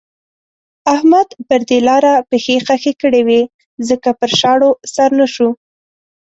احمد پر دې لاره پښې خښې کړې وې ځکه پر شاړو سر نه شو.